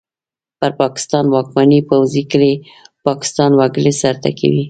پر پاکستان واکمنې پوځي کړۍ څخه پاکستاني وګړي سر ټکوي!